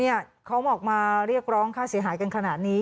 เขาบอกมาเรียกร้องค่าเสียหายกันขนาดนี้